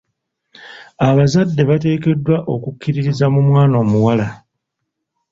Abazadde bateekeddwa okukkiririza mu mwana omuwala.